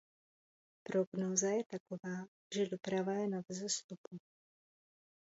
Prognóza je taková, že doprava je na vzestupu.